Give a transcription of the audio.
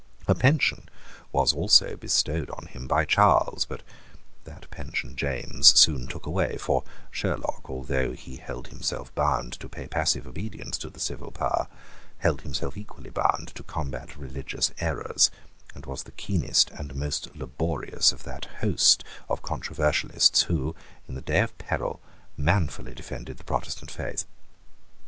A pension was also bestowed on him by Charles: but that pension James soon took away; for Sherlock, though he held himself bound to pay passive obedience to the civil power, held himself equally bound to combat religious errors, and was the keenest and most laborious of that host of controversialists who, in the day of peril, manfully defended the Protestant faith.